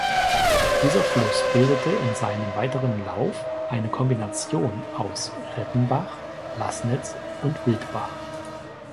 Dieser Fluss bildete in seinem weiteren Lauf eine Kombination aus Rettenbach, Laßnitz und Wildbach.